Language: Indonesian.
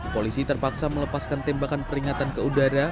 polisi terpaksa melepaskan tembakan peringatan ke udara